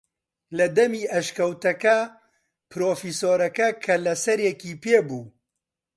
لە دەمی ئەشکەوتەکە پرۆفیسۆرەکە کەللەسەرێکی پێ بوو